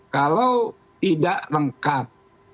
kalau tidak lengkap